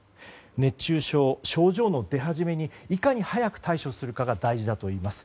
熱中症、症状の出始めにいかに速く対処するかが大事だといいます。